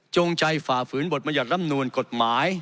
จงใจฝ่าฝืนบทมัญญาตรรำนวลกฎหมาย